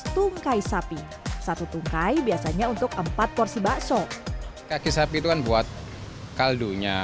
tungkai sapi satu tungkai biasanya untuk empat porsi bakso kaki sapi itu kan buat kaldunya